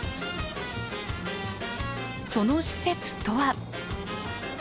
その施設とは。